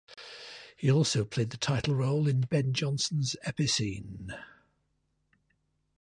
He also played the title role in Ben Jonson's "Epicoene".